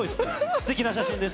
すてきな写真です。